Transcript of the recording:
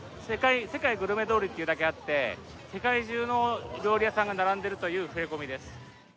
世界グルメ通りというだけあって世界中の料理屋さんが並んでいるという触れ込みです。